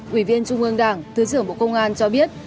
thượng tướng lê quý vương đảng thứ trưởng bộ công an cho biết